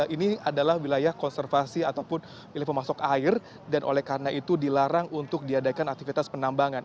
ini adalah wilayah konservasi ataupun pilih pemasok air dan oleh karena itu dilarang untuk diadakan aktivitas penambangan